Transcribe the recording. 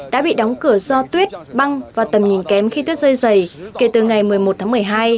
đã bị đóng cửa do tuyết băng và tầm nhìn kém khi tuyết rơi dày kể từ ngày một mươi một tháng một mươi hai